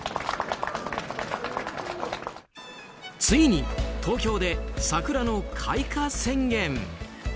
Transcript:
ついに、東京で桜の開花宣言。